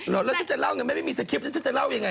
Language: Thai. แล้วฉันจะเล่าไม่มีสคริปฉันจะเล่าอย่างไร